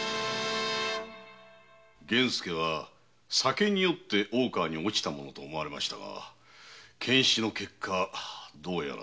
源助は酒に酔って大川に落ちたものと思われましたが検視の結果というと？